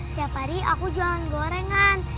setiap hari aku jualan gorengan